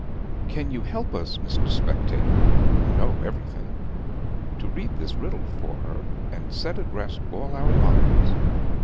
Can you help us, Mr. Spectator, who know everything, to read this riddle for her, and set at rest all our minds?